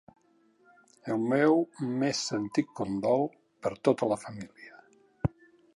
El meu més sentit condol per tota la família.